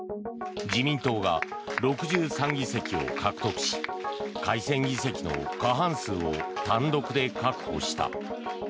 自民党が６３議席を獲得し改選議席の過半数を単独で確保した。